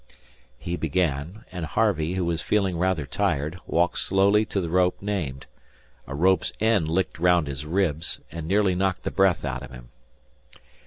He began, and Harvey, who was feeling rather tired, walked slowly to the rope named. A rope's end licked round his ribs, and nearly knocked the breath out of him.